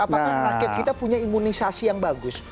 apakah rakyat kita punya imunisasi yang bagus